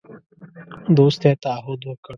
دوستی تعهد وکړ.